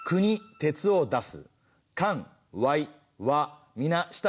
鉄を出す。